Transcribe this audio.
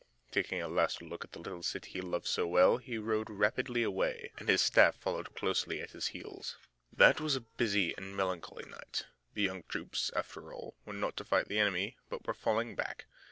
Taking a last look at the little city that he loved so well, he rode rapidly away, and his staff followed closely at his heels. That was a busy and melancholy night. The young troops, after all, were not to fight the enemy, but were falling back.